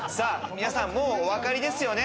皆さん、もうお分かりですよね？